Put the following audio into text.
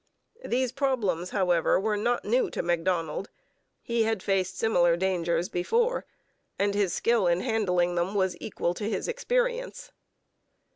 These problems, however, were not new to Macdonald. He had faced similar dangers before, and his skill in handling them was equal to his experience.